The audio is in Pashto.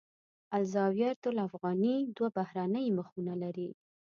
الزاویة الافغانیه دوه بهرنۍ مخونه لري.